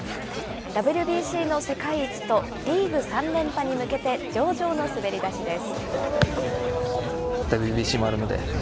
ＷＢＣの世界一とリーグ３連覇に向けて上々の滑り出しです。